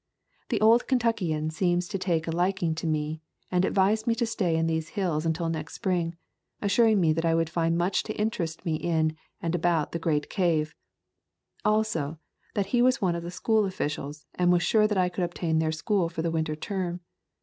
The old Kentuckian seemed to take a liking to me and advised me to stay in these hills until next spring, assuring me that I would find much to interest me in and about the Great Cave; also, that he was one of the school offi cials and was sure that I could obtain their school for the winter term.